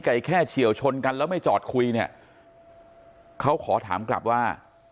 แค่เฉียวชนกันแล้วไม่จอดคุยเนี่ยเขาขอถามกลับว่า